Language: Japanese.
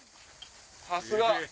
さすが！